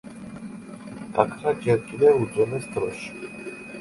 გაქრა ჯერ კიდევ უძველეს დროში.